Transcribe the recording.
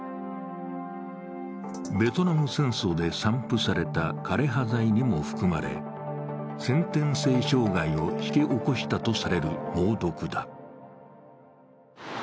ベトナム戦争で散布された枯れ葉剤にも含まれ、先天性障害を引き起こしたとされる猛毒だ。